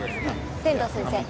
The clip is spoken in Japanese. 天堂先生